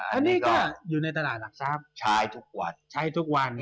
อันนี้ก็อยู่ในตลาดหลักทรัพย์ใช้ทุกวัน